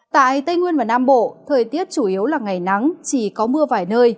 tại tây nguyên và nam bộ thời tiết chủ yếu là ngày nắng chỉ có mưa vài nơi